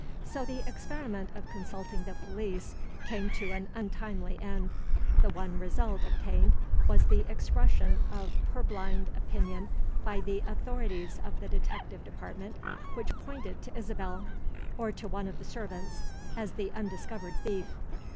So the experiment of consulting the police came to an untimely end. The one result obtained was the expression of purblind opinion by the authorities of the detective department which pointed to Isabel, or to one of the servants, as the undiscovered thief.